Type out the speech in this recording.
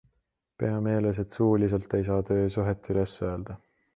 Pea meeles, et suuliselt ei saa töösuhet üles öelda.